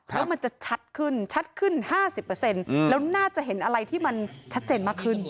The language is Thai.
แล้วมันจะชัดขึ้นชัดขึ้น๕๐แล้วน่าจะเห็นอะไรที่มันชัดเจนมากขึ้น